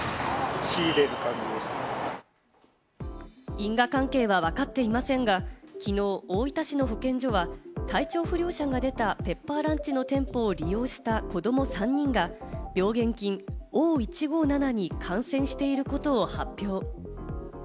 因果関係はわかっていませんが、きのう大分市保健所は体調不良者が出たペッパーランチの店舗を利用した子ども３人が病原菌Ｏ１５７に感染していることを発表。